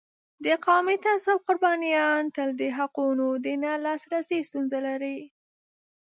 د قومي تعصب قربانیان تل د حقونو د نه لاسرسی ستونزه لري.